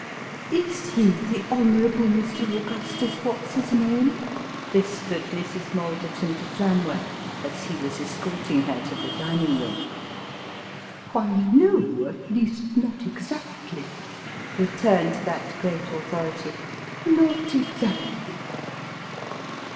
" Is he the Honourable Mr. Augustus what's his name ?" whispered Mrs. Malderton to Flamwell, as he was escorting her to the dining room. " Why, no at least not exactly," returned that great authority " not exactly."